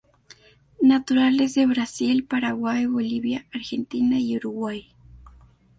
Naturales de Brasil, Paraguay, Bolivia, Argentina y Uruguay.